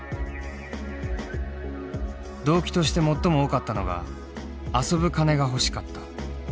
動機として最も多かったのが「遊ぶ金が欲しかった」。